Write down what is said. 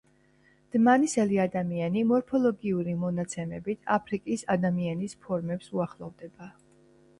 დმანისელი ადამიანი, მორფოლოგიური მონაცემებით, აფრიკის ადამიანის ფორმებს უახლოვდებოდა.